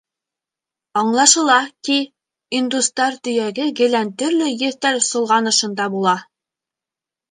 Аңлашыла ки, индустар төйәге гелән төрлө еҫтәр солғанышында була.